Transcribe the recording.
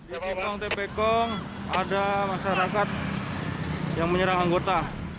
di kipong tepekong ada masyarakat yang menyerang anggota